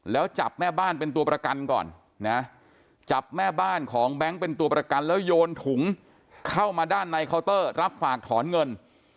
แล้วจับแม่บ้านเป็นตัวประกันก่อนนะจับแม่บ้านของแบงค์เป็นตัวประกันแล้วโยนถุงเข้ามาด้านในเคาน์เตอร์รับฝากถอนเงิน